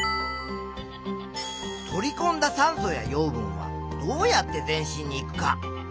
「取りこんだ酸素や養分はどうやって全身にいく」か？